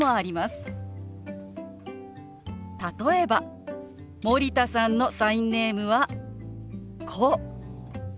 例えば森田さんのサインネームはこう。